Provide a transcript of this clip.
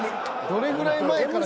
どれぐらい前から。